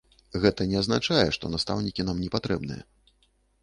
Гэта не азначае, што настаўнікі нам непатрэбныя.